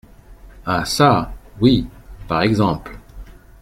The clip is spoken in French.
Ah ça ! oui, par exemple !